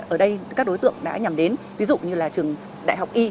ở đây các đối tượng đã nhằm đến ví dụ như là trường đại học y